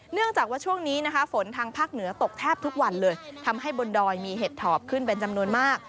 เนื่องจากว่าช่วงนี้นะคะฝนทางภาคเหนือตกแทบทุกวันเลยทำให้บนดอยมีเห็ดถอบขึ้นเป็นจำนวนมาก